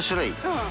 うん。